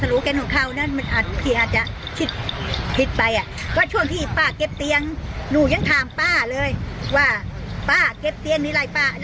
แล้วเขาก็ต้องโต๊ะไปสี่ร้อยได้สิบตัว